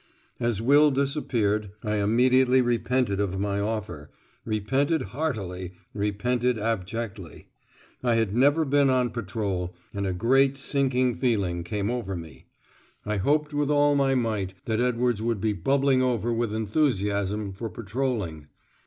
As Will disappeared, I immediately repented of my offer, repented heartily, repented abjectly. I had never been on patrol, and a great sinking feeling came over me. I hoped with all my might that Edwards would be bubbling over with enthusiasm for patrolling.